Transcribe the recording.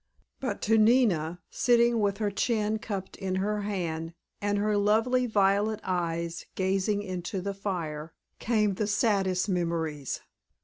But to Nina, sitting with her chin cupped in her hand and her lovely violet eyes gazing into the fire, came the saddest memories.